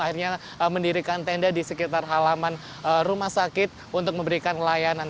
akhirnya mendirikan tenda di sekitar halaman rumah sakit untuk memberikan layanan